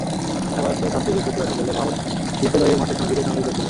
তাঁর ভাষ্য, ছাব্বির বৃহস্পতিবার বিকেলে বাওট বিদ্যালয়ের মাঠে সঙ্গীদের সঙ্গে খেলছিল।